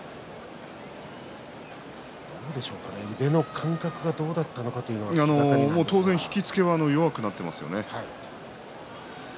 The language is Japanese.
どうでしょうかね腕の感覚はどうだったのか当然引き付けは弱くなっていますよね。